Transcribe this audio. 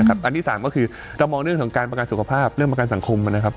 อันที่๓ก็คือเรามองเรื่องของการประกันสุขภาพเรื่องประกันสังคมนะครับ